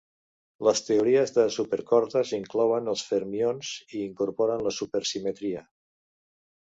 Les teories de supercordes inclouen els fermions i incorporen la supersimetria.